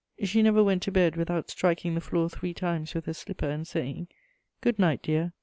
She never went to bed without striking the floor three times with her slipper and saying, "Good night, dear!"